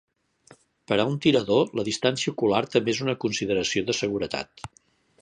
Per a un tirador, la distància ocular també és una consideració de seguretat.